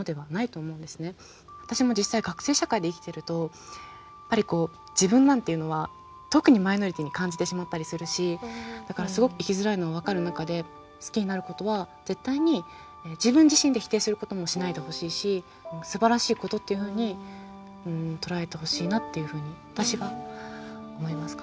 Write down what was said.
私も実際学生社会で生きてるとやっぱり自分なんていうのは特にマイノリティーに感じてしまったりするしだからすごく生きづらいのは分かる中で好きになることは絶対に自分自身で否定することもしないでほしいしすばらしいことっていうふうに捉えてほしいなっていうふうに私は思いますかね。